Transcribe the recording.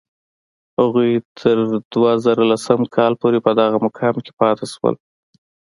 هغوی تر دوه زره لسم کال پورې په دغه مقام کې پاتې شول.